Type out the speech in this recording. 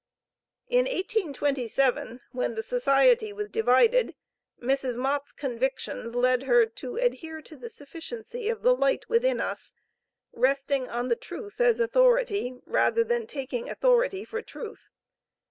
In 1827 when the Society was divided Mrs. Mott's convictions led her "to adhere to the sufficiency of the light within us, resting on the truth as authority, rather than 'taking authority for truth.'"